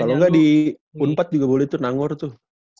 kalau enggak di unpad juga boleh tuh nangor tuh